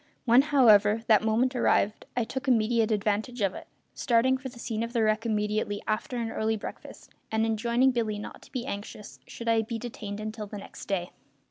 When, however, that moment arrived I took immediate advantage of it, starting for the scene of the wreck immediately after an early breakfast, and enjoining Billy not to be anxious should I be detained until the next day.